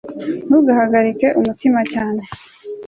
ntugahagarike umutima cyane